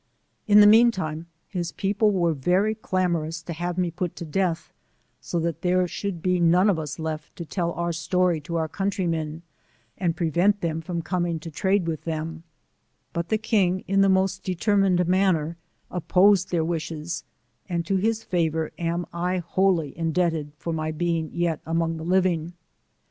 — In the mean time his people were very clamorous to have me put to death, so that there should be none of us left to tell our story to our countrymen, and prevent them from coming to trade w ith them ; but the king, in the most determined manner, opposed their w ishes, and to his favour am I wholly indebted for my being yet among the living.